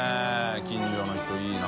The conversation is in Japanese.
近所の人いいな。